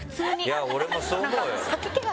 いや俺もそう思うよ。